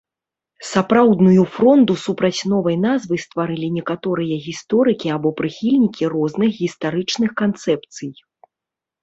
Сапраўдную фронду супраць новай назвы стварылі некаторыя гісторыкі або прыхільнікі розных гістарычных канцэпцый.